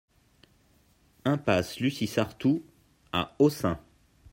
Impasse Lucie Sarthou à Ossun